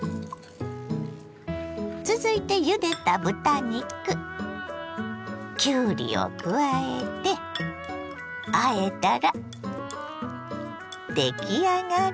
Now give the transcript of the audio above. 続いてゆでた豚肉きゅうりを加えてあえたら出来上がりです。